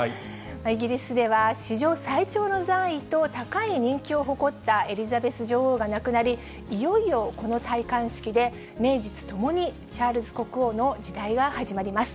イギリスでは、史上最長の在位と高い人気を誇ったエリザベス女王が亡くなり、いよいよこの戴冠式で名実ともにチャールズ国王の時代は始まります。